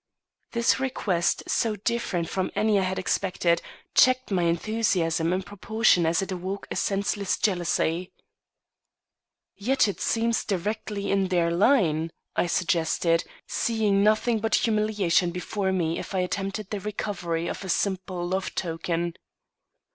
This request, so different from any I had expected, checked my enthusiasm in proportion as it awoke a senseless jealousy. "Yet it seems directly in their line," I suggested, seeing nothing but humiliation before me if I attempted the recovery of a simple love token.